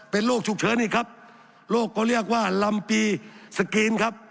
เป็นโรคฉุกเฉินอีกครับโรคก็เรียกว่าลำปีสกรีนครับ